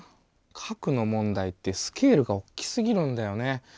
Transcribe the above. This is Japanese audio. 核の問題ってスケールが大きすぎるんだよね。